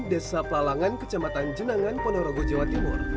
desa pelalangan kecamatan jenangan ponorogo jawa timur